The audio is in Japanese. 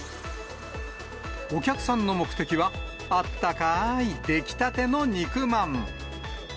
お客さんの目的は、あったかい出来たての肉まん。